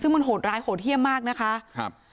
ซึ่งมันโหดร้ายโหดเยี่ยมมากนะคะครับ